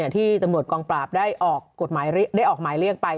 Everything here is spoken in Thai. ที่ตำรวจกองปราบได้ออกหมายเรียกไป